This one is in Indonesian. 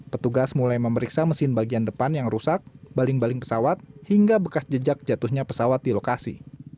petugas mulai memeriksa mesin bagian depan yang rusak baling baling pesawat hingga bekas jejak jatuhnya pesawat di lokasi